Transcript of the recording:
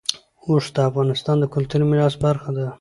اوښ د افغانستان د کلتوري میراث برخه ده.